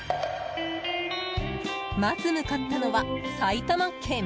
まず向かったのは埼玉県。